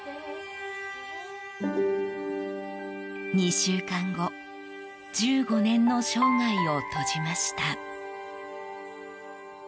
２週間後１５年の生涯を閉じました。